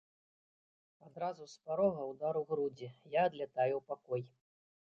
Адразу з парога ўдар у грудзі, я адлятаю ў пакой.